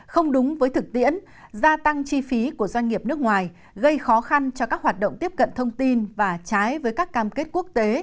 không đúng với thực tiễn gia tăng chi phí của doanh nghiệp nước ngoài gây khó khăn cho các hoạt động tiếp cận thông tin và trái với các cam kết quốc tế